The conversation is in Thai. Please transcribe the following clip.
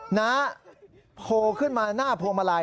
หนาโพขึ้นมาหน้าโพมาลัย